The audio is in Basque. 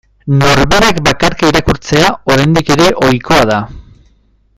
Norberak bakarka irakurtzea oraindik ere ohikoa da.